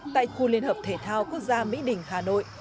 tại khu liên hợp thể thao quốc gia mỹ đình hà nội